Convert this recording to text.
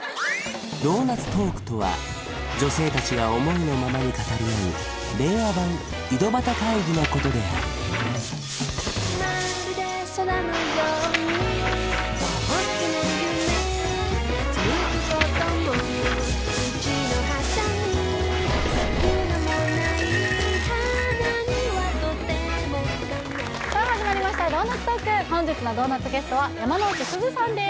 ドーナツトークとは女性達が思いのままに語り合う令和版井戸端会議のことであるさあ始まりました「ドーナツトーク」本日のドーナツゲストは山之内すずさんです